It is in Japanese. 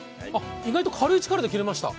意外と軽い力で切れました。